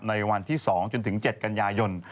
ในวันที่๒จนถึง๗กันยายน